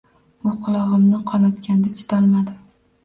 U qulog‘imni qonatganda chidolmadim